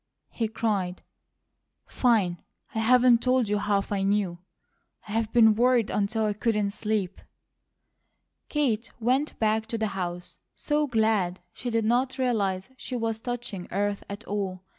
he cried. "Fine! I haven't told you HALF I knew. I've been worried until I couldn't sleep." Kate went back to the house so glad she did not realize she was touching earth at all.